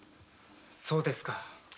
そうですか。